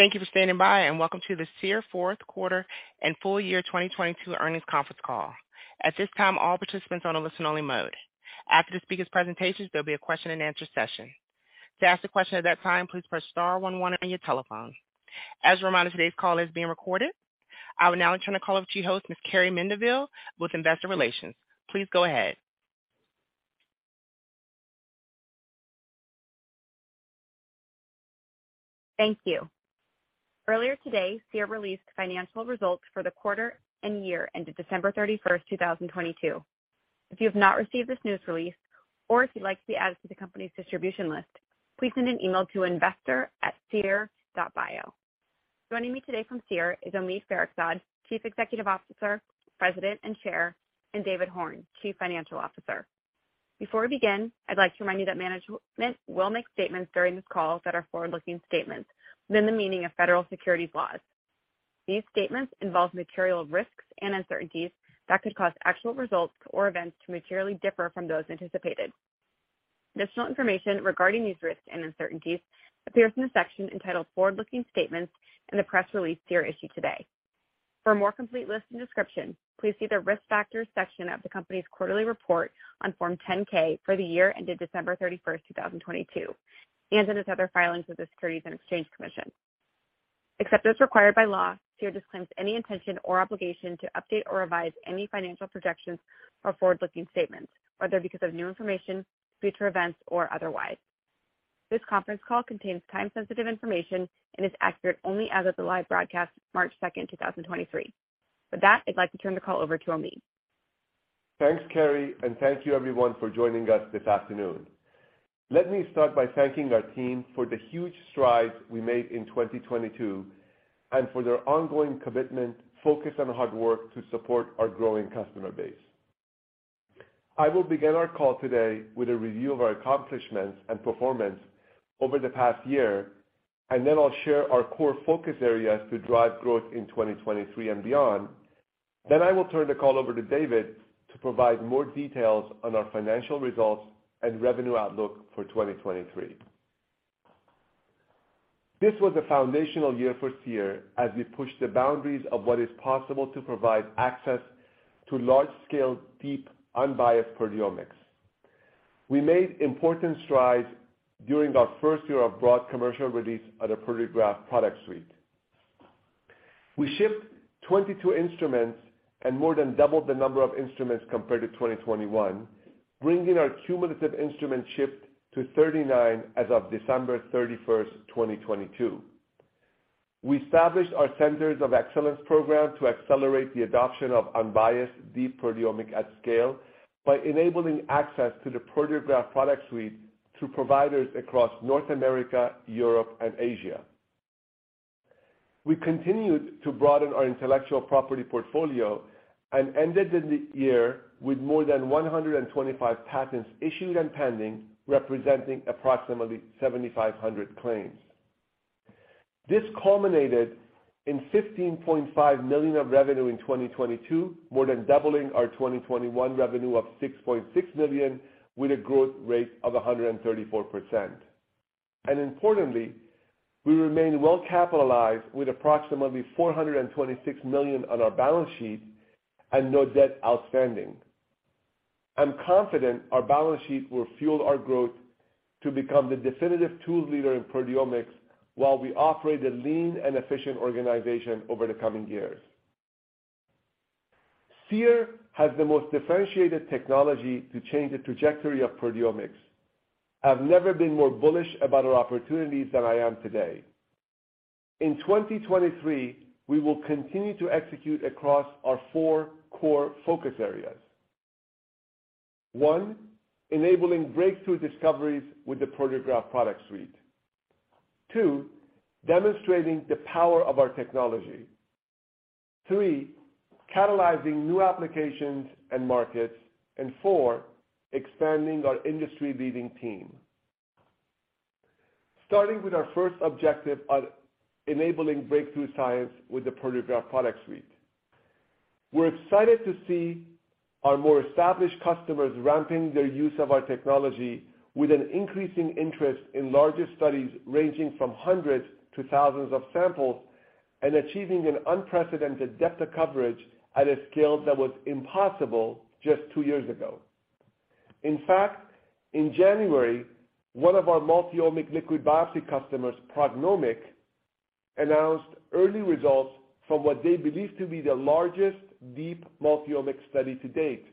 Thank you for standing by, and welcome to the Seer 4Q and full year 2022 earnings conference call. At this time, all participants are on a listen only mode. After the speaker's presentations, there'll be a question and answer session. To ask a question at that time, please press star 11 on your telephone. As a reminder, today's call is being recorded. I will now turn the call over to your host, Ms. Carrie Mendivil, with Investor Relations. Please go ahead. Thank you. Earlier today, Seer released financial results for the quarter and year ended December 31st, 2022. If you have not received this news release or if you'd like to be added to the company's distribution list, please send an email to investor@Seer.bio. Joining me today from Seer is Omid Farokhzad, Chief Executive Officer, President, and Chair, and David Horn, Chief Financial Officer. Before we begin, I'd like to remind you that management will make statements during this call that are forward-looking statements within the meaning of federal securities laws. These statements involve material risks and uncertainties that could cause actual results or events to materially differ from those anticipated. Additional information regarding these risks and uncertainties appears in the section entitled Forward-Looking Statements in the press release Seer issued today. For a more complete list and description, please see the Risk Factors section of the company's quarterly report on Form 10-K for the year ended December 31st, 2022, and in its other filings with the Securities and Exchange Commission. Except as required by law, Seer disclaims any intention or obligation to update or revise any financial projections or forward-looking statements, whether because of new information, future events or otherwise. This conference call contains time sensitive information and is accurate only as of the live broadcast March 2nd, 2023. I'd like to turn the call over to Omi. Thanks, Carrie. Thank you everyone for joining us this afternoon. Let me start by thanking our team for the huge strides we made in 2022 and for their ongoing commitment, focus, and hard work to support our growing customer base. I will begin our call today with a review of our accomplishments and performance over the past year. Then I'll share our core focus areas to drive growth in 2023 and beyond. I will turn the call over to David to provide more details on our financial results and revenue outlook for 2023. This was a foundational year for Seer as we pushed the boundaries of what is possible to provide access to large scale, deep, unbiased proteomics. We made important strides during our first year of broad commercial release of the Proteograph Product Suite. We shipped 22 instruments and more than doubled the number of instruments compared to 2021, bringing our cumulative instruments shipped to 39 as of December 31, 2022. We established our Centers of Excellence program to accelerate the adoption of unbiased deep proteomics at scale by enabling access to the Proteograph Product Suite to providers across North America, Europe, and Asia. We continued to broaden our intellectual property portfolio and ended the year with more than 125 patents issued and pending, representing approximately 7,500 claims. This culminated in $15.5 million of revenue in 2022, more than doubling our 2021 revenue of $6.6 million, with a growth rate of 134%. Importantly, we remain well capitalized with approximately $426 million on our balance sheet and no debt outstanding. I'm confident our balance sheet will fuel our growth to become the definitive tool leader in proteomics while we operate a lean and efficient organization over the coming years. Seer has the most differentiated technology to change the trajectory of proteomics. I've never been more bullish about our opportunities than I am today. In 2023, we will continue to execute across our four core focus areas. One, enabling breakthrough discoveries with the Proteograph Product Suite. Two, demonstrating the power of our technology. Three, catalyzing new applications and markets. Four, expanding our industry leading team. Starting with our first objective of enabling breakthrough science with the Proteograph Product Suite. We're excited to see our more established customers ramping their use of our technology with an increasing interest in larger studies, ranging from hundreds to thousands of samples, and achieving an unprecedented depth of coverage at a scale that was impossible just two years ago. In fact, in January, one of our multi-omic liquid biopsy customers, PrognomiQ, announced early results from what they believe to be the largest deep multi-omic study to date.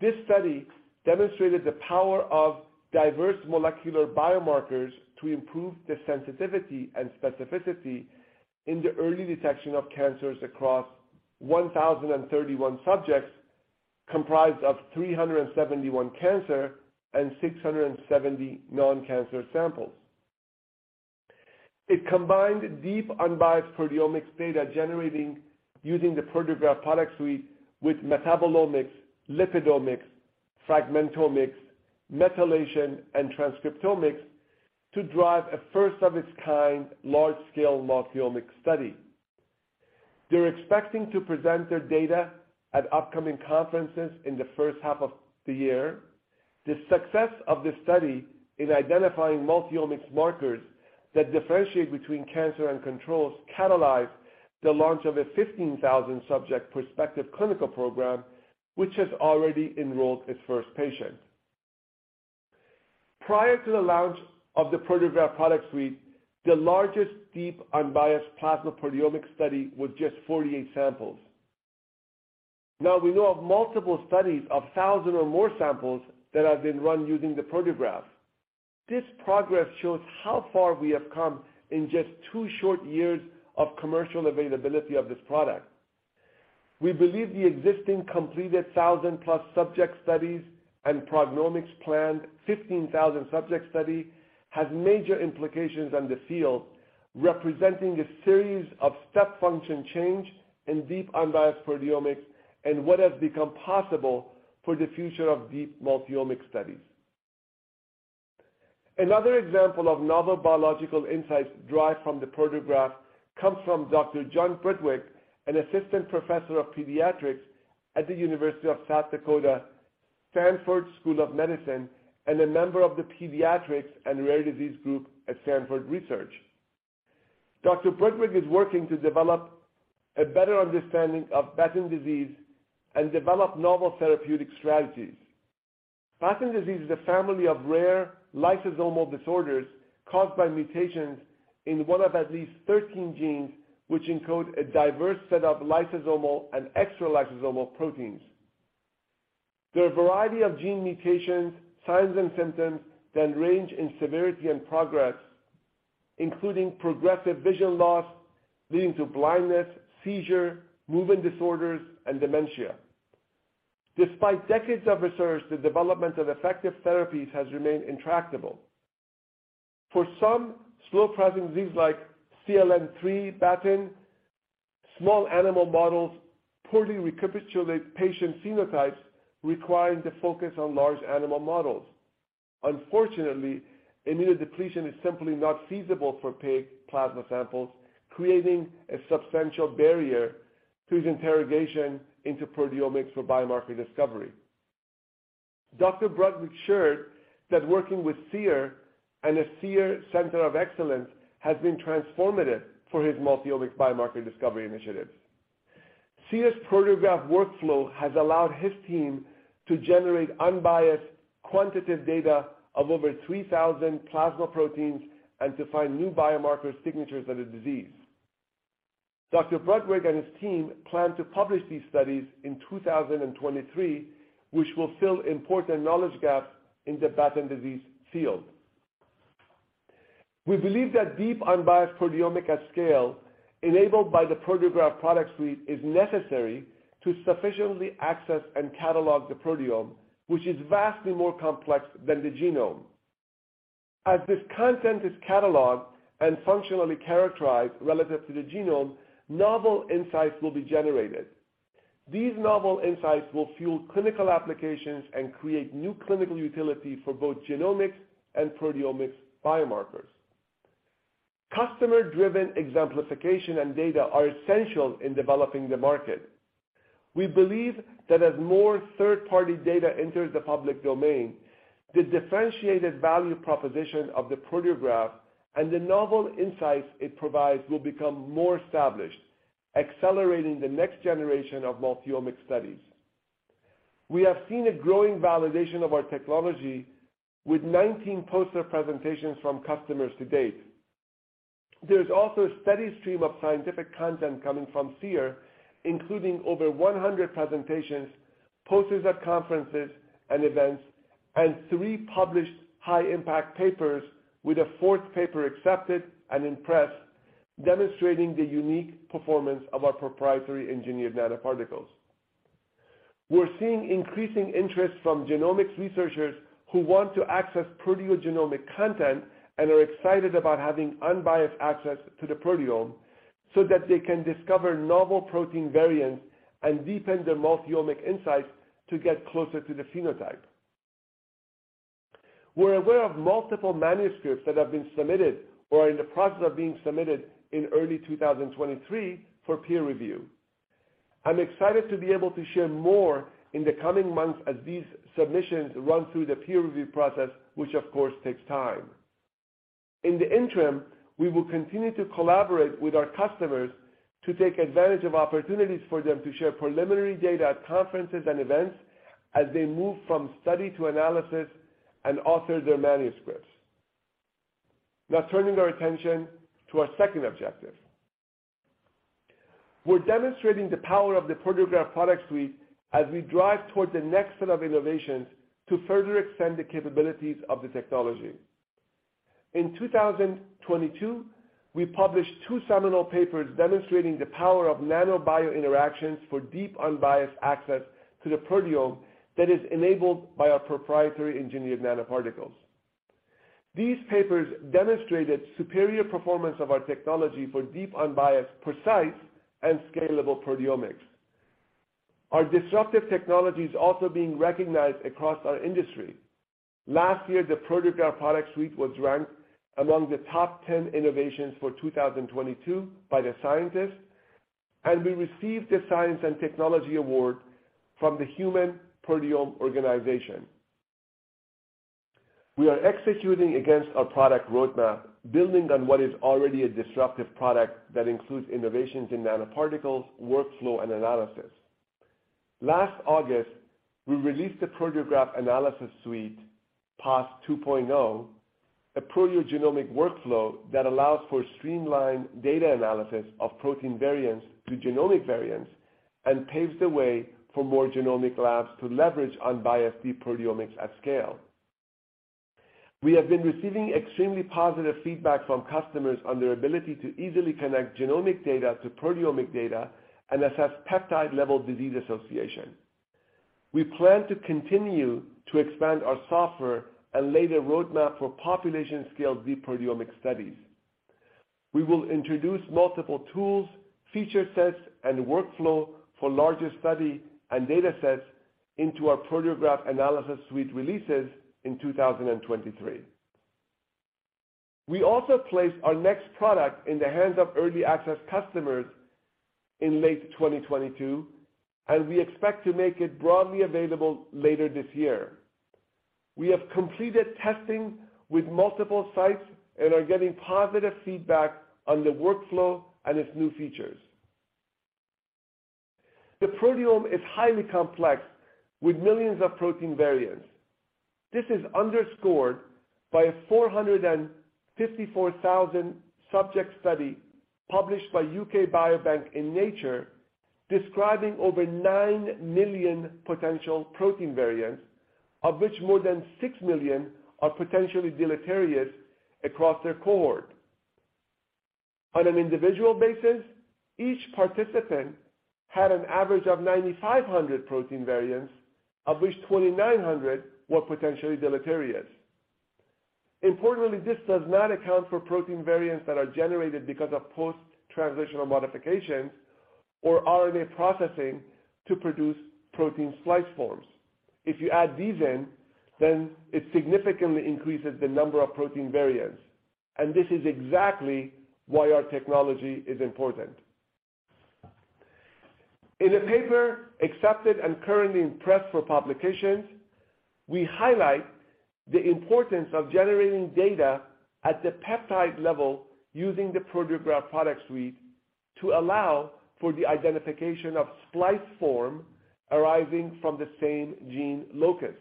This study demonstrated the power of diverse molecular biomarkers to improve the sensitivity and specificity in the early detection of cancers across 1,031 subjects comprised of 371 cancer and 670 non-cancer samples. It combined deep, unbiased proteomics data generating using the Proteograph Product Suite with metabolomics, lipidomics, fragmentomics, methylation, and transcriptomics to drive a first of its kind large scale multi-omic study. They're expecting to present their data at upcoming conferences in the H1 of the year. The success of this study in identifying multi-omics markers that differentiate between cancer and controls catalyzed the launch of a 15,000 subject prospective clinical program, which has already enrolled its first patient. Prior to the launch of the Proteograph Product Suite, the largest deep unbiased plasma proteomic study was just 48 samples. Now we know of multiple studies of thousand or more samples that have been run using the Proteograph. This progress shows how far we have come in just two short years of commercial availability of this product. We believe the existing completed 1,000-plus subject studies and PrognomiQ planned 15,000 subject study has major implications on the field, representing a series of step function change in deep unbiased proteomics and what has become possible for the future of deep multi-omic studies. Another example of novel biological insights derived from the Proteograph comes from Dr. John Broderick, an assistant professor of pediatrics at the University of South Dakota Sanford School of Medicine, and a member of the pediatrics and rare disease group at Sanford Research. Dr. Broderick is working to develop a better understanding of Batten disease and develop novel therapeutic strategies. Batten disease is a family of rare lysosomal disorders caused by mutations in one of at least 13 genes, which encode a diverse set of lysosomal and extralysosomal proteins. There are a variety of gene mutations, signs and symptoms that range in severity and progress, including progressive vision loss, leading to blindness, seizure, movement disorders, and dementia. Despite decades of research, the development of effective therapies has remained intractable. For some slow-progressing disease like CLN3 Batten, small animal models poorly recapitulate patient phenotypes, requiring the focus on large animal models. Immunodepletion is simply not feasible for pig plasma samples, creating a substantial barrier to his interrogation into proteomics for biomarker discovery. Dr. Broderick shared that working with Seer and the Seer Center of Excellence has been transformative for his multi-omic biomarker discovery initiatives. Seer's Proteograph workflow has allowed his team to generate unbiased, quantitative data of over 3,000 plasma proteins and to find new biomarker signatures of the disease. Broderick and his team plan to publish these studies in 2023, which will fill important knowledge gaps in the Batten disease field. We believe that deep unbiased proteomics at scale enabled by the Proteograph Product Suite is necessary to sufficiently access and catalog the proteome, which is vastly more complex than the genome. As this content is cataloged and functionally characterized relative to the genome, novel insights will be generated. These novel insights will fuel clinical applications and create new clinical utility for both genomics and proteomics biomarkers. Customer-driven exemplification and data are essential in developing the market. We believe that as more third-party data enters the public domain, the differentiated value proposition of the Proteograph and the novel insights it provides will become more established, accelerating the next generation of multi-omic studies. We have seen a growing validation of our technology with 19 poster presentations from customers to date. There's also a steady stream of scientific content coming from Seer, including over 100 presentations, posters at conferences and events, and three published high-impact papers with a 4th paper accepted and in press, demonstrating the unique performance of our proprietary engineered nanoparticles. We're seeing increasing interest from genomics researchers who want to access proteogenomic content and are excited about having unbiased access to the proteome so that they can discover novel protein variants and deepen their multi-omic insights to get closer to the phenotype. We're aware of multiple manuscripts that have been submitted or are in the process of being submitted in early 2023 for peer review. I'm excited to be able to share more in the coming months as these submissions run through the peer review process, which of course takes time. In the interim, we will continue to collaborate with our customers to take advantage of opportunities for them to share preliminary data at conferences and events as they move from study to analysis and author their manuscripts. Now turning our attention to our second objective. We're demonstrating the power of the Proteograph Product Suite as we drive toward the next set of innovations to further extend the capabilities of the technology. In 2022, we published two seminal papers demonstrating the power of nano-bio interactions for deep, unbiased access to the proteome that is enabled by our proprietary engineered nanoparticles. These papers demonstrated superior performance of our technology for deep, unbiased, precise, and scalable proteomics. Our disruptive technology is also being recognized across our industry. Last year, the Proteograph Product Suite was ranked among the 10 innovations for 2022 by The Scientist. We received the Science and Technology Award from the Human Proteome Organization. We are executing against our product roadmap, building on what is already a disruptive product that includes innovations in nanoparticles, workflow, and analysis. Last August, we released the Proteograph Analysis Suite, PAS 2.0, a proteogenomic workflow that allows for streamlined data analysis of protein variants to genomic variants and paves the way for more genomic labs to leverage unbiased deep proteomics at scale. We have been receiving extremely positive feedback from customers on their ability to easily connect genomic data to proteomic data and assess peptide level disease association. We plan to continue to expand our software and lay the roadmap for population scale deep proteomic studies. We will introduce multiple tools, feature sets, and workflow for larger study and datasets into our Proteograph Analysis Suite releases in 2023. We also placed our next product in the hands of early access customers in late 2022, and we expect to make it broadly available later this year. We have completed testing with multiple sites and are getting positive feedback on the workflow and its new features. The proteome is highly complex with millions of protein variants. This is underscored by a 454,000 subject study published by UK Biobank in Nature, describing over 9 million potential protein variants, of which more than six million are potentially deleterious across their cohort. On an individual basis, each participant had an average of 9,500 protein variants, of which 2,900 were potentially deleterious. Importantly, this does not account for protein variants that are generated because of post-translational modifications or RNA processing to produce protein splice forms. If you add these in, then it significantly increases the number of protein variants. This is exactly why our technology is important. In a paper accepted and currently in press for publications, we highlight the importance of generating data at the peptide level using the Proteograph Product Suite to allow for the identification of splice form arising from the same gene locus.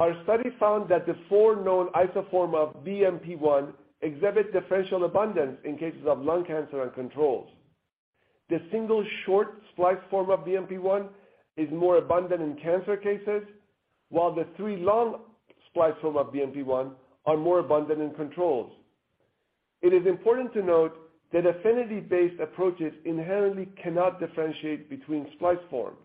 Our study found that the 4 known isoform of BMP1 exhibit differential abundance in cases of lung cancer and controls. The 1 short splice form of BMP1 is more abundant in cancer cases, while the three long splice form of BMP1 are more abundant in controls. It is important to note that affinity-based approaches inherently cannot differentiate between splice forms.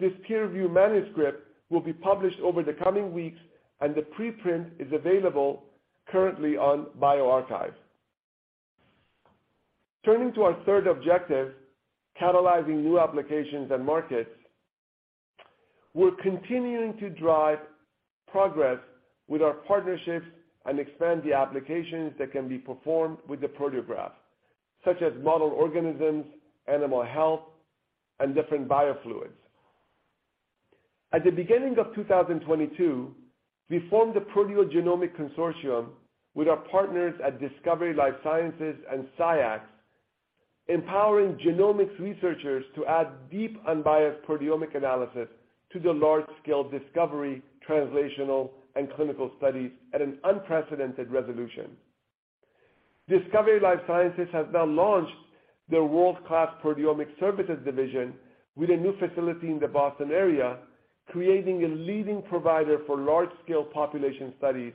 This peer-review manuscript will be published over the coming weeks. The preprint is available currently on bioRxiv. Turning to our third objective, catalyzing new applications and markets, we're continuing to drive progress with our partnerships and expand the applications that can be performed with the Proteograph, such as model organisms, animal health, and different biofluids. At the beginning of 2022, we formed a Proteogenomics Consortium with our partners at Discovery Life Sciences and SCIEX, empowering genomics researchers to add deep, unbiased proteomic analysis to the large-scale discovery, translational, and clinical studies at an unprecedented resolution. Discovery Life Sciences has now launched their world-class proteomic services division with a new facility in the Boston area, creating a leading provider for large-scale population studies,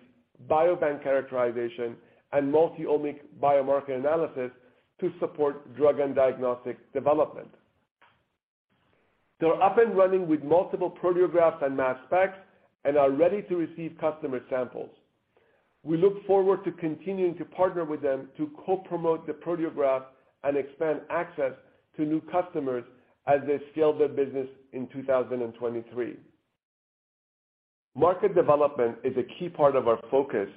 biobank characterization, and multi-omic biomarker analysis to support drug and diagnostic development. They're up and running with multiple Proteographs and mass specs and are ready to receive customer samples. We look forward to continuing to partner with them to co-promote the Proteograph and expand access to new customers as they scale their business in 2023. Market development is a key part of our focus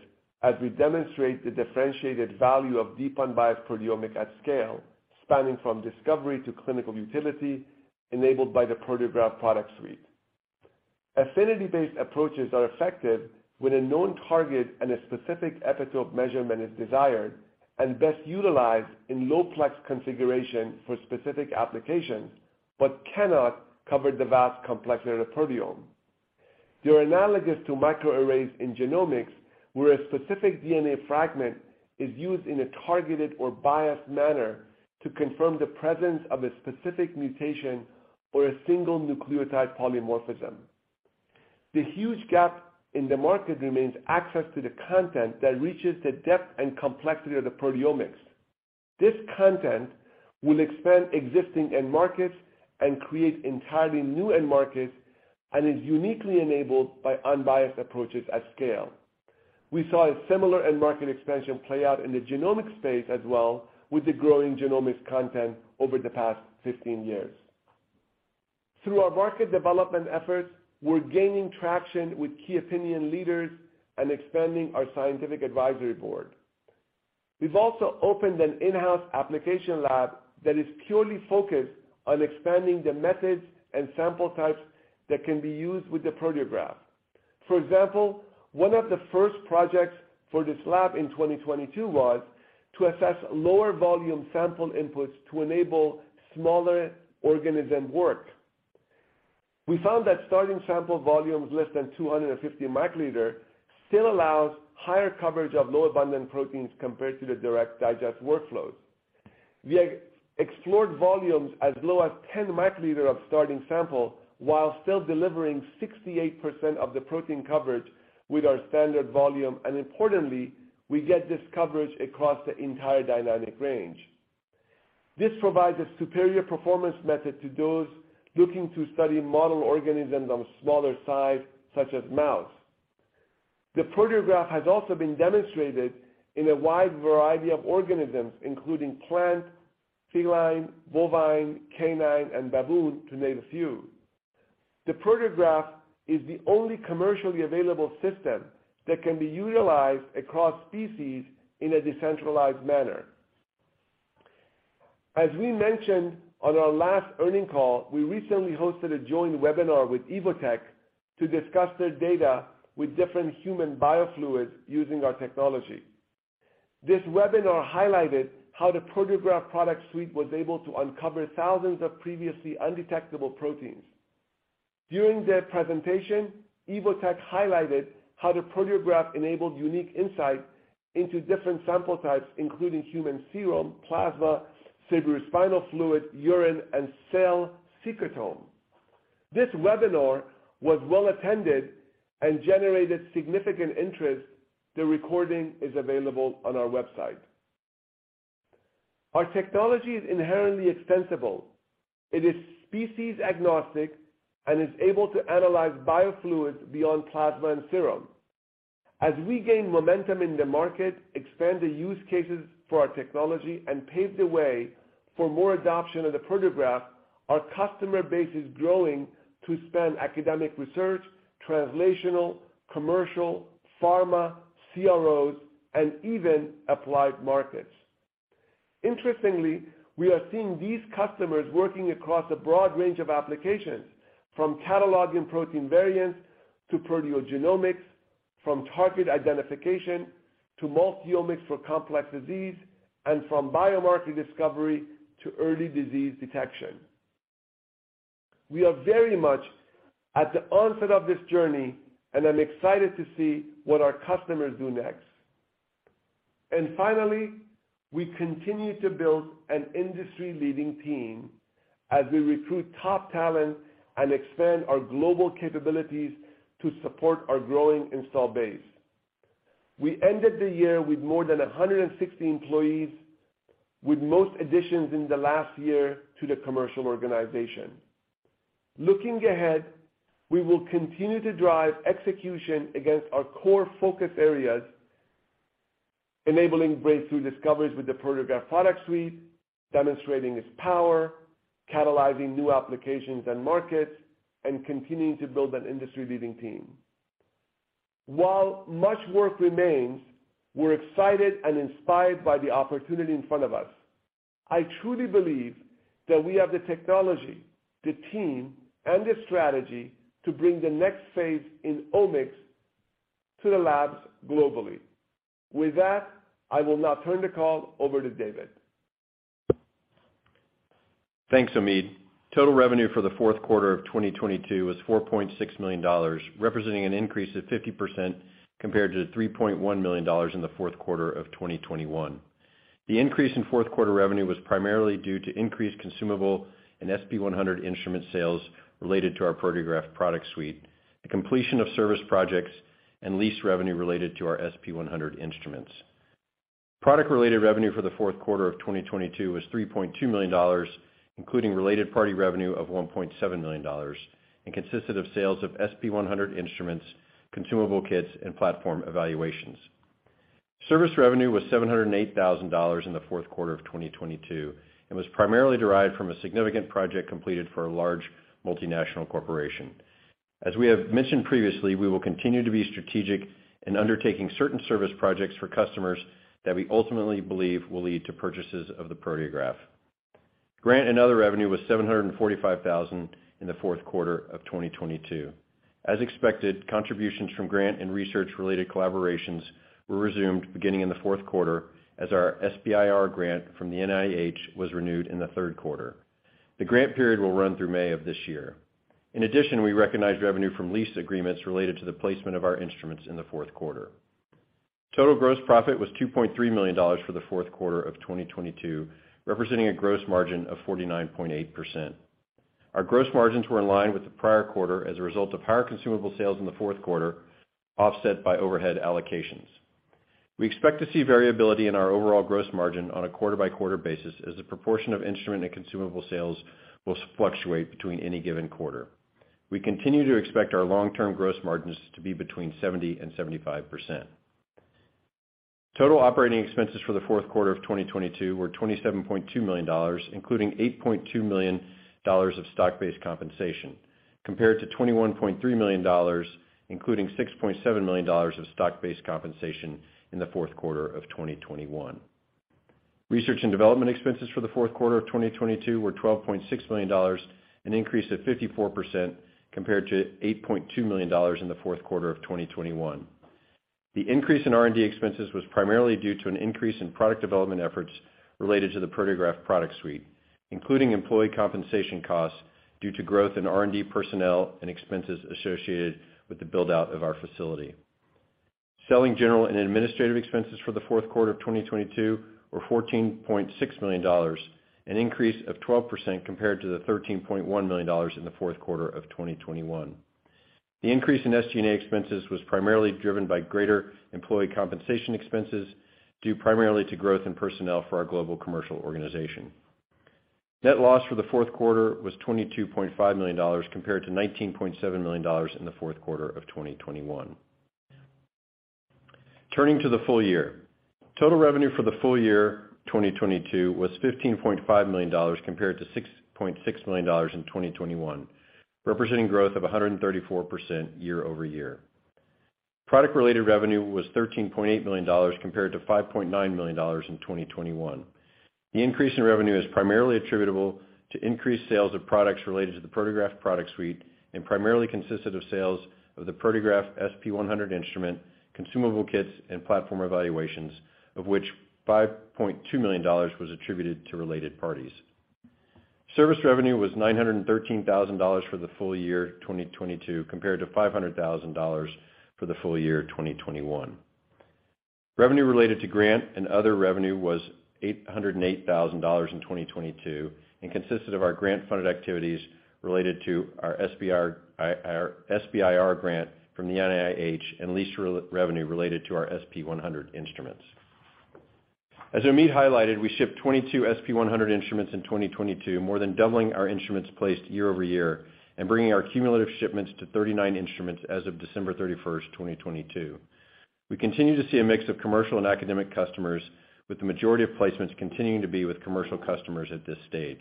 as we demonstrate the differentiated value of deep, unbiased proteomic at scale, spanning from discovery to clinical utility enabled by the Proteograph Product Suite. Affinity-based approaches are effective when a known target and a specific epitope measurement is desired and best utilized in low plex configuration for specific applications, but cannot cover the vast complexity of the proteome. They are analogous to microarrays in genomics, where a specific DNA fragment is used in a targeted or biased manner to confirm the presence of a specific mutation or a single nucleotide polymorphism. The huge gap in the market remains access to the content that reaches the depth and complexity of the proteomics. This content will expand existing end markets and create entirely new end markets and is uniquely enabled by unbiased approaches at scale. We saw a similar end market expansion play out in the genomic space as well with the growing genomics content over the past 15 years. Through our market development efforts, we're gaining traction with key opinion leaders and expanding our scientific advisory board. We've also opened an in-house application lab that is purely focused on expanding the methods and sample types that can be used with the Proteograph. For example, one of the first projects for this lab in 2022 was to assess lower volume sample inputs to enable smaller organism work. We found that starting sample volumes less than 250 microliter still allows higher coverage of low abundant proteins compared to the direct digest workflows. We explored volumes as low as 10 microliter of starting sample while still delivering 68% of the protein coverage with our standard volume, and importantly, we get this coverage across the entire dynamic range. This provides a superior performance method to those looking to study model organisms of smaller size, such as mouse. The Proteograph has also been demonstrated in a wide variety of organisms, including plant, feline, bovine, canine, and baboon, to name a few. The Proteograph is the only commercially available system that can be utilized across species in a decentralized manner. As we mentioned on our last earnings call, we recently hosted a joint webinar with Evotec to discuss their data with different human biofluids using our technology. This webinar highlighted how the Proteograph Product Suite was able to uncover thousands of previously undetectable proteins. During their presentation, Evotec highlighted how the Proteograph enabled unique insight into different sample types, including human serum, plasma, cerebrospinal fluid, urine, and cell secretome. This webinar was well-attended and generated significant interest. The recording is available on our website. Our technology is inherently extensible. It is species agnostic and is able to analyze biofluids beyond plasma and serum. As we gain momentum in the market, expand the use cases for our technology, and pave the way for more adoption of the Proteograph, our customer base is growing to span academic research, translational, commercial, pharma, CROs, and even applied markets. Interestingly, we are seeing these customers working across a broad range of applications, from cataloging protein variants to proteogenomics, from target identification to multi-omics for complex disease, and from biomarker discovery to early disease detection. We are very much at the onset of this journey, I'm excited to see what our customers do next. Finally, we continue to build an industry-leading team as we recruit top talent and expand our global capabilities to support our growing install base. We ended the year with more than 160 employees, with most additions in the last year to the commercial organization. Looking ahead, we will continue to drive execution against our core focus areas, enabling breakthrough discoveries with the Proteograph Product Suite, demonstrating its power, catalyzing new applications and markets, and continuing to build an industry-leading team. While much work remains, we're excited and inspired by the opportunity in front of us. I truly believe that we have the technology, the team, and the strategy to bring the next phase in omics to the labs globally. With that, I will now turn the call over to David. Thanks, Omid. Total revenue for the 4Q of 2022 was $4.6 million, representing an increase of 50% compared to $3.1 million in the 4Q of 2021. The increase in 4Q revenue was primarily due to increased consumable and SP100 instrument sales related to our Proteograph Product Suite, the completion of service projects, and lease revenue related to our SP100 instruments. Product-related revenue for the 4Q of 2022 was $3.2 million, including related party revenue of $1.7 million, and consisted of sales of SP100 instruments, consumable kits, and platform evaluations. Service revenue was $708,000 in the 4Q of 2022 and was primarily derived from a significant project completed for a large multinational corporation. As we have mentioned previously, we will continue to be strategic in undertaking certain service projects for customers that we ultimately believe will lead to purchases of the Proteograph. Grant and other revenue was $745,000 in the 4Q of 2022. As expected, contributions from grant and research-related collaborations were resumed beginning in the 4Q as our SBIR grant from the NIH was renewed in the 3Q. The grant period will run through May of this year. We recognized revenue from lease agreements related to the placement of our instruments in the 4Q. Total gross profit was $2.3 million for the 4Q of 2022, representing a gross margin of 49.8%. Our gross margins were in line with the prior quarter as a result of higher consumable sales in the 4Q, offset by overhead allocations. We expect to see variability in our overall gross margin on a quarter by quarter basis as the proportion of instrument and consumable sales will fluctuate between any given quarter. We continue to expect our long term gross margins to be between 70% and 75%. Total operating expenses for the 4Q of 2022 were $27.2 million, including $8.2 million of stock-based compensation, compared to $21.3 million, including $6.7 million of stock-based compensation in the 4Q of 2021. Research and development expenses for the 4Q of 2022 were $12.6 million, an increase of 54% compared to $8.2 million in the 4Q of 2021. The increase in R&D expenses was primarily due to an increase in product development efforts related to the Proteograph Product Suite, including employee compensation costs due to growth in R&D personnel and expenses associated with the build out of our facility. Selling general and administrative expenses for the 4Q of 2022 were $14.6 million, an increase of 12% compared to the $13.1 million in the 4Q of 2021. The increase in SG&A expenses was primarily driven by greater employee compensation expenses, due primarily to growth in personnel for our global commercial organization. Net loss for the 4Q was $22.5 million compared to $19.7 million in the 4Q of 2021. Turning to the full year. Total revenue for the full year 2022 was $15.5 million compared to $6.6 million in 2021, representing growth of 134% year-over-year. Product related revenue was $13.8 million compared to $5.9 million in 2021. The increase in revenue is primarily attributable to increased sales of products related to the Proteograph Product Suite and primarily consisted of sales of the Proteograph SP100 instrument, consumable kits and platform evaluations, of which $5.2 million was attributed to related parties. Service revenue was $913,000 for the full year 2022 compared to $500,000 for the full year 2021. Revenue related to grant and other revenue was $808,000 in 2022 and consisted of our grant funded activities related to our SBIR grant from the NIH and lease re-revenue related to our SP100 instruments. As Omid highlighted, we shipped 22 SP100 instruments in 2022, more than doubling our instruments placed year-over-year and bringing our cumulative shipments to 39 instruments as of December 31, 2022. We continue to see a mix of commercial and academic customers with the majority of placements continuing to be with commercial customers at this stage.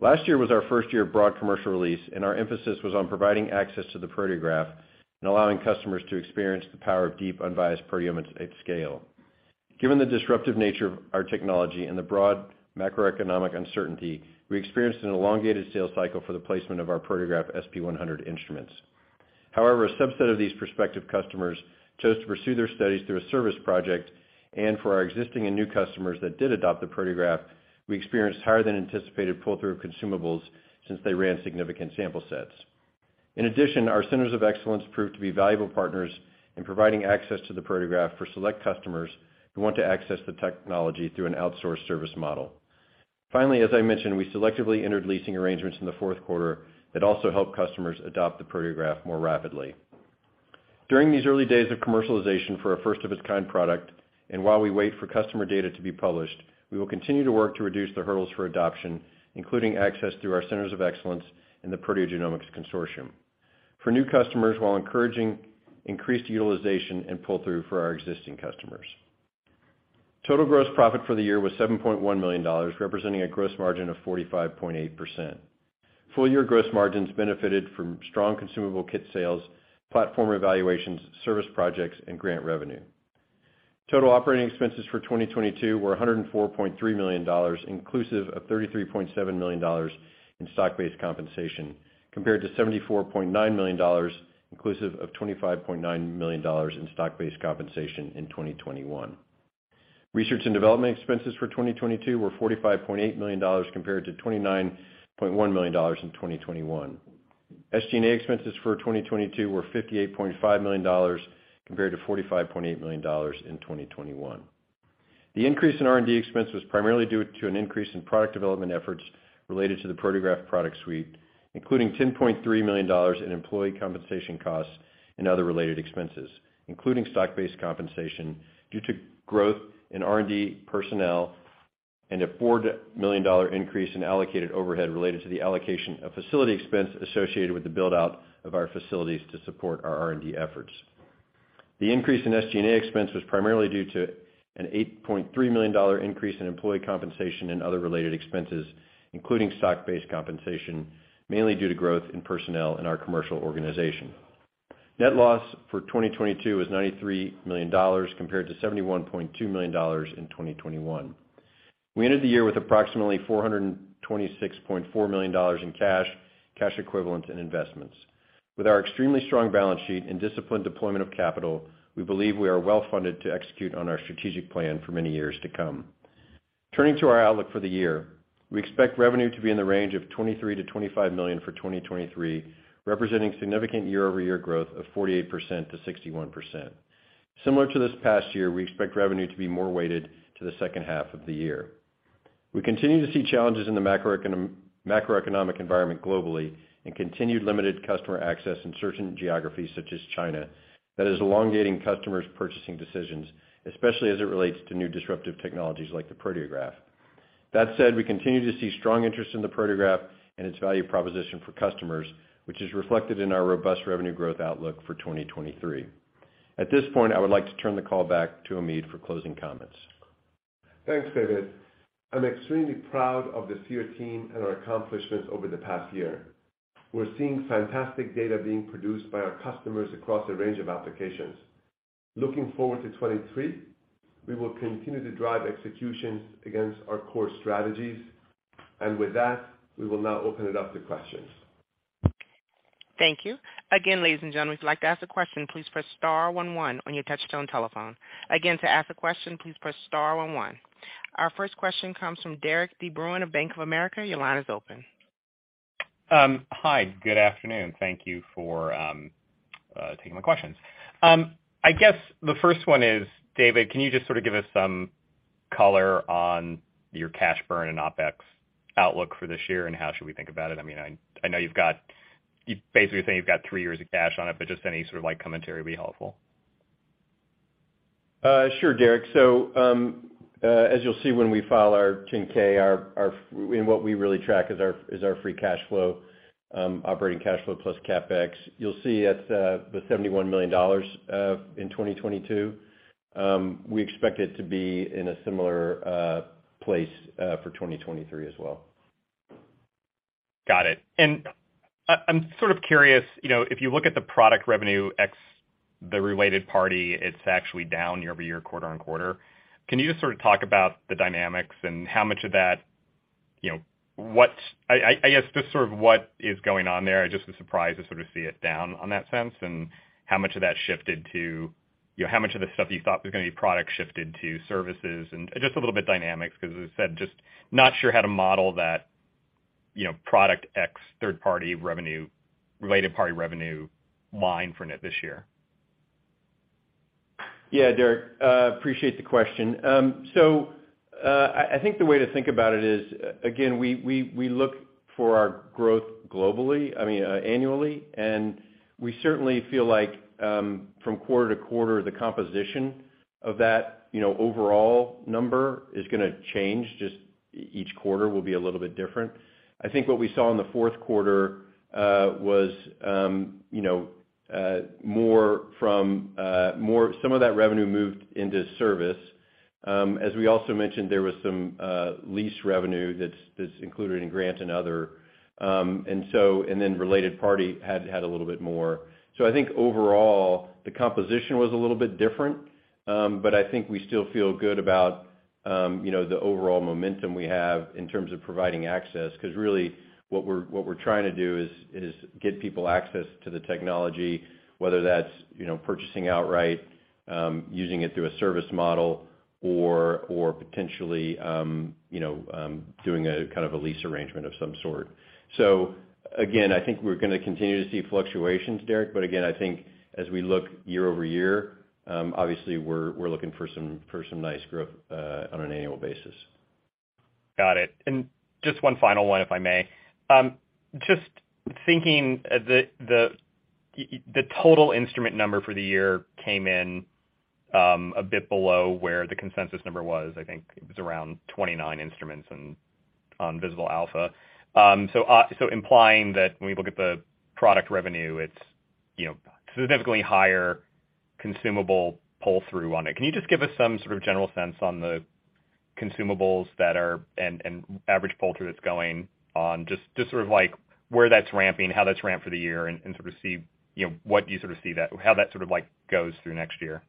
Last year was our first year of broad commercial release. Our emphasis was on providing access to the Proteograph and allowing customers to experience the power of deep unbiased proteomics at scale. Given the disruptive nature of our technology and the broad macroeconomic uncertainty, we experienced an elongated sales cycle for the placement of our Proteograph SP100 instruments. However, a subset of these prospective customers chose to pursue their studies through a service project and for our existing and new customers that did adopt the Proteograph, we experienced higher than anticipated pull through consumables since they ran significant sample sets. In addition, our Centers of Excellence proved to be valuable partners in providing access to the Proteograph for select customers who want to access the technology through an outsourced service model. As I mentioned, we selectively entered leasing arrangements in the 4Q that also help customers adopt the Proteograph more rapidly. During these early days of commercialization for a first of its kind product, while we wait for customer data to be published, we will continue to work to reduce the hurdles for adoption, including access through our Centers of Excellence in the Proteogenomics Consortium for new customers while encouraging increased utilization and pull-through for our existing customers. Total gross profit for the year was $7.1 million, representing a gross margin of 45.8%. Full year gross margins benefited from strong consumable kit sales, platform evaluations, service projects and grant revenue. Total operating expenses for 2022 were $104.3 million, inclusive of $33.7 million in stock-based compensation, compared to $74.9 million, inclusive of $25.9 million in stock-based compensation in 2021. Research and development expenses for 2022 were $45.8 million compared to $29.1 million in 2021. SG&A expenses for 2022 were $58.5 million compared to $45.8 million in 2021. The increase in R&D expense was primarily due to an increase in product development efforts related to the Proteograph Product Suite, including $10.3 million in employee compensation costs and other related expenses, including stock-based compensation due to growth in R&D personnel and a $4 million increase in allocated overhead related to the allocation of facility expense associated with the build out of our facilities to support our R&D efforts. The increase in SG&A expense was primarily due to an $8.3 million increase in employee compensation and other related expenses, including stock-based compensation, mainly due to growth in personnel in our commercial organization. Net loss for 2022 was $93 million compared to $71.2 million in 2021. We ended the year with approximately $426.4 million in cash equivalent and investments. With our extremely strong balance sheet and disciplined deployment of capital, we believe we are well funded to execute on our strategic plan for many years to come. Turning to our outlook for the year. We expect revenue to be in the range of $23 million-$25 million for 2023, representing significant year-over-year growth of 48%-61%. Similar to this past year, we expect revenue to be more weighted to the second half of the year. We continue to see challenges in the macroeconomic environment globally and continued limited customer access in certain geographies such as China that is elongating customers purchasing decisions, especially as it relates to new disruptive technologies like the Proteograph. We continue to see strong interest in the Proteograph and its value proposition for customers, which is reflected in our robust revenue growth outlook for 2023. At this point, I would like to turn the call back to Omid for closing comments. Thanks, David. I'm extremely proud of the Seer team and our accomplishments over the past year. We're seeing fantastic data being produced by our customers across a range of applications. Looking forward to 2023, we will continue to drive execution against our core strategies. With that, we will now open it up to questions. Thank you. Again, ladies and gentlemen, if you'd like to ask a question, please press star 11 on your touch-tone telephone. Again, to ask a question, please press star 11. Our first question comes from Derik De Bruin of Bank of America. Your line is open. Hi, good afternoon. Thank you for taking my questions. David, can you just sort of give us some color on your cash burn and OpEx outlook for this year? How should we think about it? You basically think you've got 3 years of cash on it, just any sort of like commentary will be helpful. Sure, Derek. As you'll see when we file our 10-K, what we really track is our free cash flow, operating cash flow plus CapEx. You'll see it's the $71 million in 2022. We expect it to be in a similar place for 2023 as well. Got it. I'm sort of curious, you know, if you look at the product revenue ex the related party, it's actually down year-over-year, quarter-on-quarter. Can you just sort of talk about the dynamics and how much of that, you know, what I guess, just sort of what is going on there? I'm just surprised to sort of see it down on that sense and how much of that shifted to, you know, how much of the stuff you thought was gonna be product shifted to services and just a little bit dynamics because as I said, just not sure how to model that, you know, product ex third party revenue, related party revenue line for this year. Yeah, Derek, appreciate the question. I think the way to think about it is, again, we look for our growth globally, I mean, annually, and we certainly feel like from quarter-to-quarter, the composition of that, you know, overall number is gonna change, just each quarter will be a little bit different. I think what we saw in the 4Q was, you know, more from some of that revenue moved into service. As we also mentioned, there was some lease revenue that's included in grant and other. Then related party had a little bit more. I think overall, the composition was a little bit different. I think we still feel good about, you know, the overall momentum we have in terms of providing access. 'Cause really what we're trying to do is get people access to the technology, whether that's, you know, purchasing outright, using it through a service model or potentially, you know, doing a kind of a lease arrangement of some sort. Again, I think we're gonna continue to see fluctuations, Derek. Again, I think as we look year-over-year, obviously we're looking for some nice growth on an annual basis. Got it. Just one final one, if I may. Just thinking, the total instrument number for the year came in a bit below where the consensus number was. I think it was around 29 instruments and on Visible Alpha. Implying that when we look at the product revenue, it's, you know, significantly higher consumable pull-through on it. Can you just give us some sort of general sense on the consumables that are... and average pull-through that's going on? Just sort of like where that's ramping, how that's ramped for the year and sort of see, you know, what you sort of see how that sort of like goes through next year.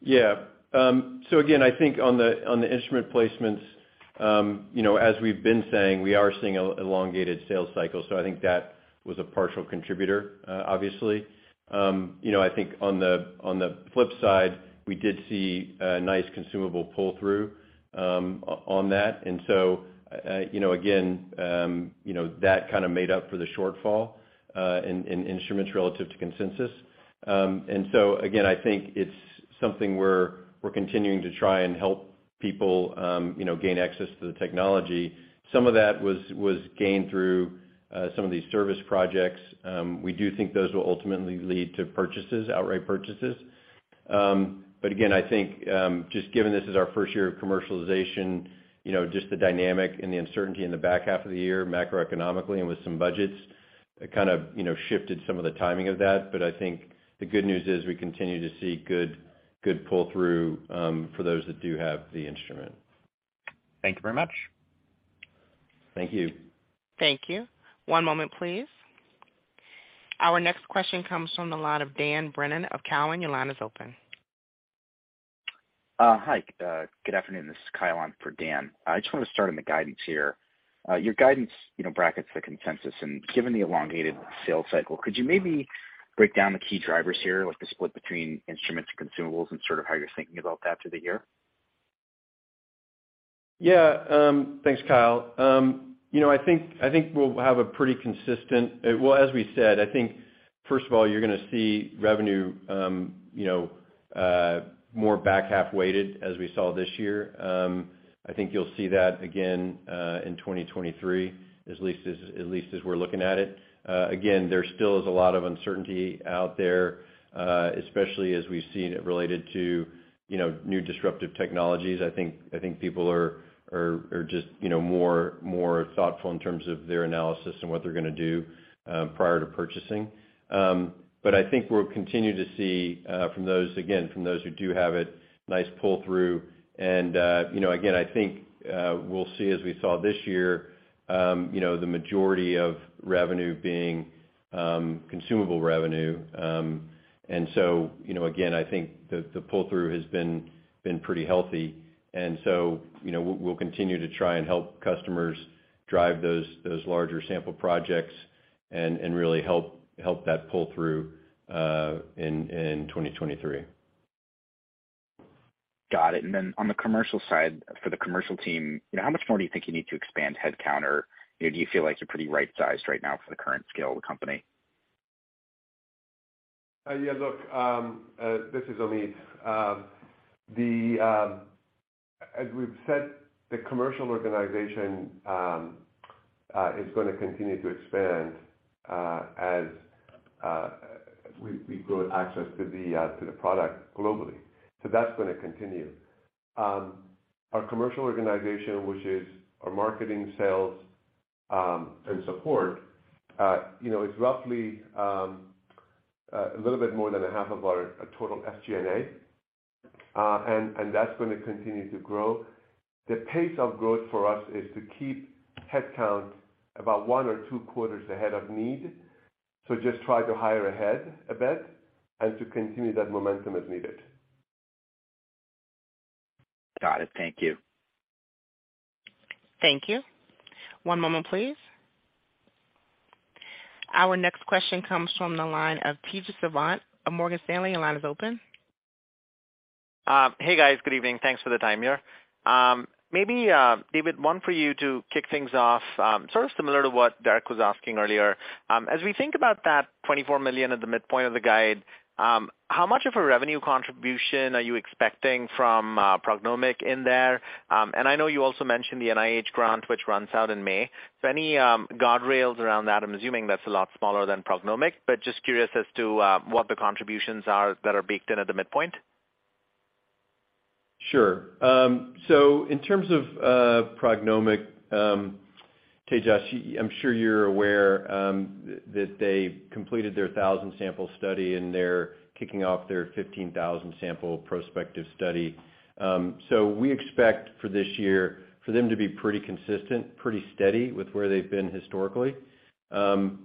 Yeah. Again, I think on the, on the instrument placements, you know, as we've been saying, we are seeing elongated sales cycle, so I think that was a partial contributor, obviously. You know, I think on the, on the flip side, we did see a nice consumable pull-through on that. You know, again, you know, that kinda made up for the shortfall in instruments relative to consensus. Again, I think it's something we're continuing to try and help people, you know, gain access to the technology. Some of that was gained through some of these service projects. We do think those will ultimately lead to purchases, outright purchases. Again, I think, just given this is our first year of commercialization, you know, just the dynamic and the uncertainty in the back half of the year, macroeconomically and with some budgets, it kind of, you know, shifted some of the timing of that. I think the good news is we continue to see good pull-through, for those that do have the instrument. Thank you very much. Thank you. Thank you. One moment, please. Our next question comes from the line of Dan Brennan of Cowen. Your line is open. Hi. Good afternoon. This is Kyle on for Dan. I just wanna start on the guidance here. Your guidance, you know, brackets the consensus, and given the elongated sales cycle, could you maybe break down the key drivers here, like the split between instruments and consumables and sort of how you're thinking about that for the year? Yeah. Thanks, Kyle. You know, I think we'll have a pretty consistent... Well, as we said, first of all, you're gonna see revenue, you know, more back-half weighted as we saw this year. I think you'll see that again in 2023, at least as we're looking at it. Again, there still is a lot of uncertainty out there, especially as we've seen it related to, you know, new disruptive technologies. I think people are just, you know, more thoughtful in terms of their analysis and what they're gonna do prior to purchasing. I think we'll continue to see from those who do have it, nice pull-through. You know, again, I think we'll see as we saw this year, you know, the majority of revenue being consumable revenue. You know, again, I think the pull-through has been pretty healthy. You know, we'll continue to try and help customers drive those larger sample projects and really help that pull through in 2023. Got it. On the commercial side, for the commercial team, you know, how much more do you think you need to expand headcount or, you know, do you feel like you're pretty right-sized right now for the current scale of the company? Yeah, look, this is Omid. The, as we've said, the commercial organization is gonna continue to expand as we grow access to the product globally. That's gonna continue. Our commercial organization, which is our marketing, sales, and support, you know, is roughly a little bit more than a half of our total SG&A, and that's gonna continue to grow. The pace of growth for us is to keep headcount about one or two quarters ahead of need. Just try to hire ahead a bit and to continue that momentum as needed. Got it. Thank you. Thank you. One moment please. Our next question comes from the line of Tejas Savant of Morgan Stanley. Your line is open. Hey, guys. Good evening. Thanks for the time here. Maybe, David, one for you to kick things off, sort of similar to what Derek was asking earlier. As we think about that $24 million at the midpoint of the guide, how much of a revenue contribution are you expecting from PrognomiQ in there? I know you also mentioned the NIH grant, which runs out in May. Any guardrails around that? I'm assuming that's a lot smaller than PrognomiQ, but just curious as to what the contributions are that are baked in at the midpoint. Sure. In terms of PrognomiQ, Tejas, I'm sure you're aware that they completed their 1,000-sample study, and they're kicking off their 15,000-sample prospective study. We expect for this year for them to be pretty consistent, pretty steady with where they've been historically.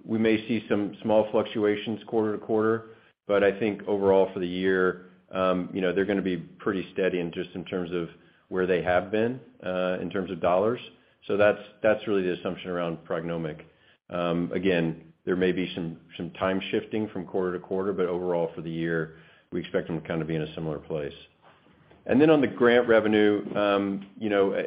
We may see some small fluctuations quarter to quarter, but I think overall for the year, you know, they're gonna be pretty steady and just in terms of where they have been in terms of dollars. That's really the assumption around PrognomiQ. Again, there may be some time shifting from quarter to quarter, but overall for the year, we expect them to kind of be in a similar place. On the grant revenue, you know,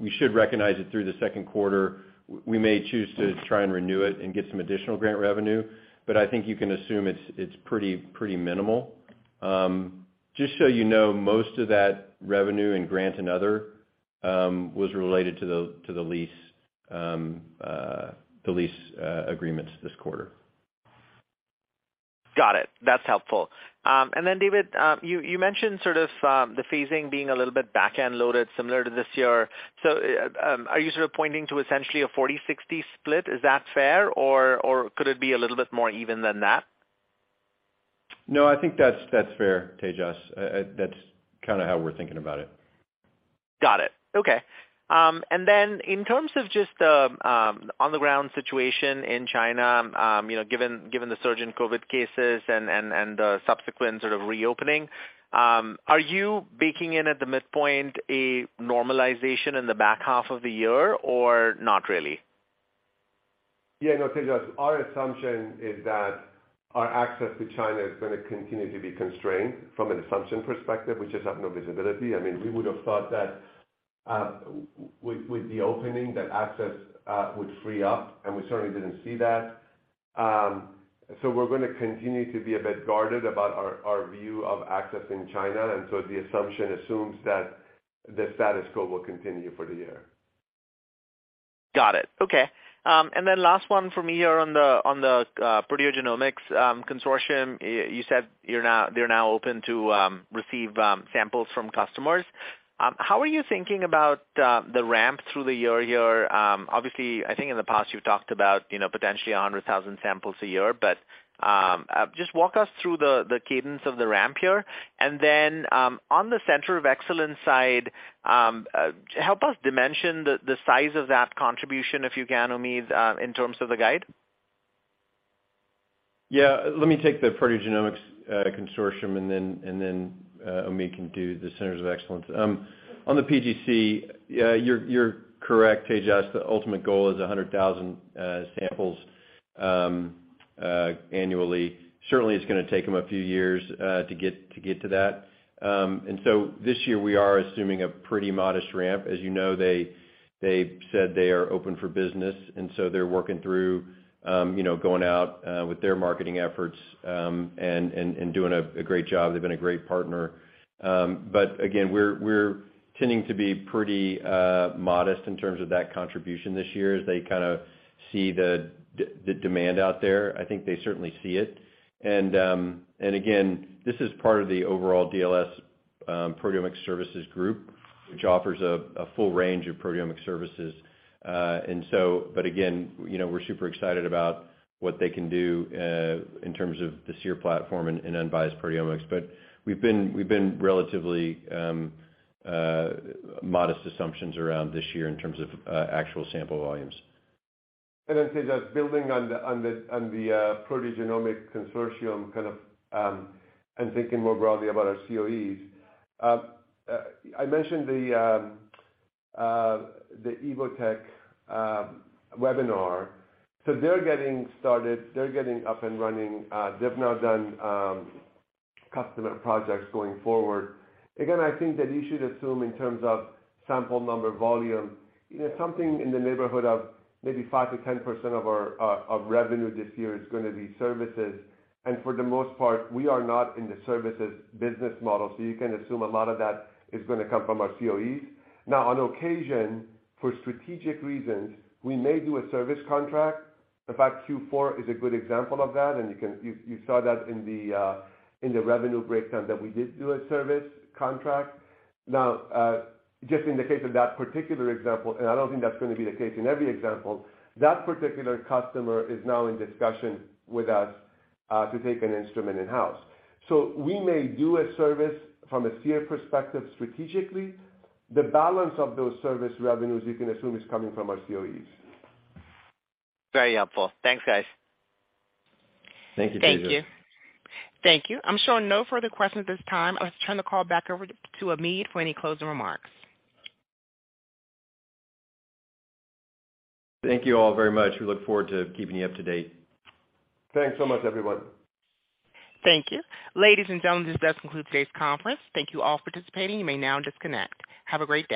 We should recognize it through the second quarter. We may choose to try and renew it and get some additional grant revenue, but I think you can assume it's pretty minimal. Just so you know, most of that revenue and grant and other was related to the lease agreements this quarter. Got it. That's helpful. Then David, you mentioned sort of the phasing being a little bit back-end loaded similar to this year. Are you sort of pointing to essentially a 40-60 split? Is that fair or could it be a little bit more even than that? No, I think that's fair, Tejas. That's kinda how we're thinking about it. Got it. Okay. Then in terms of just the on the ground situation in China, you know, given the surge in COVID cases and the subsequent sort of reopening, are you baking in at the midpoint a normalization in the back half of the year or not really? Yeah, no, Tejas, our assumption is that our access to China is gonna continue to be constrained from an assumption perspective. We just have no visibility. I mean, we would have thought that with the opening, that access would free up, and we certainly didn't see that. So we're gonna continue to be a bit guarded about our view of access in China. The assumption assumes that the status quo will continue for the year. Got it. Okay. last one for me here on the Proteogenomics Consortium. You said they're now open to receive samples from customers. How are you thinking about the ramp through the year here? Obviously, I think in the past you've talked about, you know, potentially 100,000 samples a year, but just walk us through the cadence of the ramp here. On the Center of Excellence side, help us dimension the size of that contribution, if you can, Omead, in terms of the guide. Yeah. Let me take the Proteogenomics Consortium, and then Omead can do the Centers of Excellence. On the PGC, yeah, you're correct, Tejas. The ultimate goal is 100,000 samples annually. Certainly, it's gonna take them a few years to get to that. This year we are assuming a pretty modest ramp. As you know, they said they are open for business, and so they're working through, you know, going out with their marketing efforts and doing a great job. They've been a great partner. Again, we're tending to be pretty modest in terms of that contribution this year as they kind of see the demand out there. I think they certainly see it. Again, this is part of the overall DLS Proteomics Services group, which offers a full range of proteomics services. But again, you know, we're super excited about what they can do in terms of the Seer platform and unbiased proteomics. We've been relatively modest assumptions around this year in terms of actual sample volumes. Tejas, building on the Proteogenomics Consortium kind of, and thinking more broadly about our COEs, I mentioned the Evotec webinar. They're getting started. They're getting up and running. They've now done customer projects going forward. Again, I think that you should assume in terms of sample number volume, you know, something in the neighborhood of maybe 5%-10% of our of revenue this year is gonna be services. For the most part, we are not in the services business model, so you can assume a lot of that is gonna come from our COEs. Now, on occasion, for strategic reasons, we may do a service contract. In fact, Q4 is a good example of that, and you can... you saw that in the revenue breakdown that we did do a service contract. Now, just in the case of that particular example, and I don't think that's gonna be the case in every example, that particular customer is now in discussion with us, to take an instrument in-house. We may do a service from a Seer perspective strategically. The balance of those service revenues you can assume is coming from our COEs. Very helpful. Thanks, guys. Thank you, Tejas. Thank you. Thank you. I'm showing no further questions at this time. Let's turn the call back over to Omid for any closing remarks. Thank you all very much. We look forward to keeping you up to date. Thanks so much, everyone. Thank you. Ladies and gentlemen, this does conclude today's conference. Thank you all for participating. You may now disconnect. Have a great day.